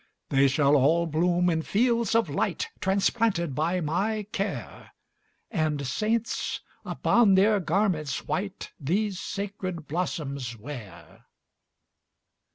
``They shall all bloom in fields of light, Transplanted by my care, And saints, upon their garments white, These sacred blossoms wear.''